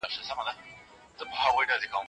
د دوکتورا برنامه په غلطه توګه نه تشریح کیږي.